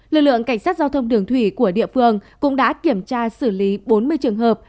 lực lượng cảnh sát giao thông đường thủy của địa phương cũng đã kiểm tra xử lý bốn mươi trường hợp